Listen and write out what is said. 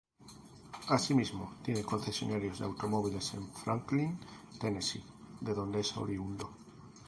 Asimismo, tiene concesionarios de automóviles en Franklin, Tennessee, de donde es oriundo.